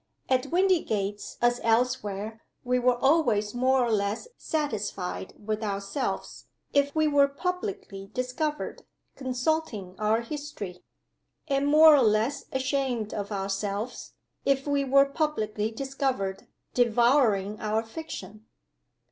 At Windygates as elsewhere, we were always more or less satisfied with ourselves, if we were publicly discovered consulting our History and more or less ashamed of ourselves, if we were publicly discovered devouring our Fiction.